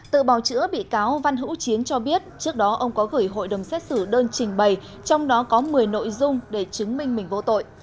tự bào chữa bị cáo văn hữu chiến cho biết trước đó ông có gửi hội đồng xét xử đơn trình bày trong đó có một mươi nội dung để chứng minh mình vô tội